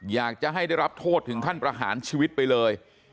อยากจะให้ได้รับโทษถึงขั้นประหารชีวิตไปเลย